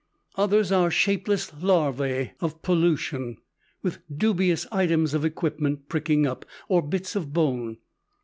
Others are shapeless larvae of pollution, with dubious items of equipment pricking up, or bits of bone.